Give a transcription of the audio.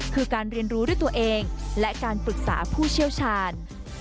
คือการเรียนรู้ด้วยตัวเองและการปรึกษาผู้เชี่ยวชาญ